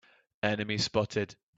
Enemy spotted!